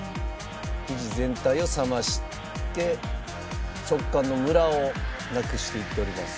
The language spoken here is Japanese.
生地全体を冷まして食感のムラをなくしていっております。